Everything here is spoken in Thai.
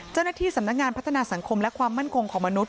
เจ้าหน้าที่สำนักงานพัฒนาสังคมและความมั่นคงของมนุษย